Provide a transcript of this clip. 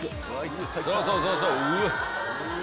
そうそうそうそう！